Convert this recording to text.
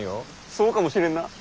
そうかもしれんな！